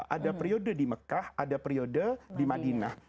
ada periode di mekah ada periode di madinah